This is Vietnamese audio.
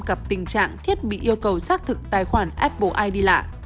gặp tình trạng thiết bị yêu cầu xác thực tài khoản apple id lạ